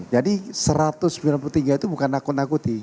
jadi satu ratus sembilan puluh tiga itu bukan nakut nakuti